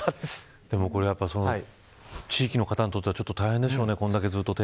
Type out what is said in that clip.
地域の方にとっては大変でしょうね。